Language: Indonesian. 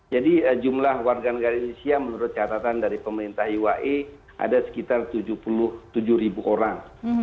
jadi jumlah warga negara indonesia menurut catatan dari pemerintah uae ada sekitar tujuh puluh tujuh orang